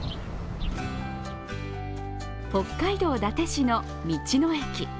北海道伊達市の道の駅。